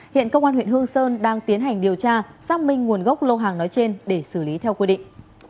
hiện công an huyện hương sơn đang tiến hành điều tra xác minh nguồn gốc lô hàng nói trên để xử lý theo quy định